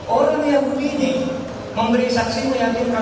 orang yahudi ini memberi saksi meyakinkan